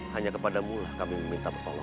hanya kepadamulah kami meminta pertolongan